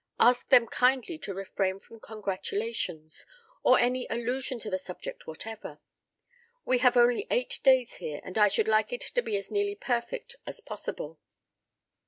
Ask them kindly to refrain from congratulations, or any allusion to the subject whatever. We have only eight days here, and I should like it to be as nearly perfect as possible."